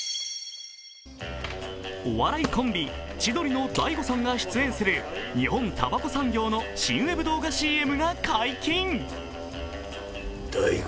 お笑いコンビ、千鳥の大悟さんが出演する日本たばこ産業の新ウェブ動画ＣＭが解禁。